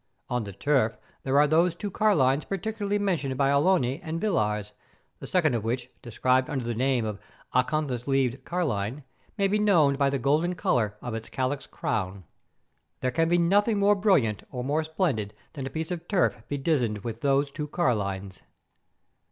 On the turf there are those two carlines particularly mentioned by Allioni and Villars, the second of which, described under the name of acanthus leaved carline, may be known by the golden colour of its calyx crown. There can be nothing more brilliant or more splendid than a piece of turf bedizened with those two carlines.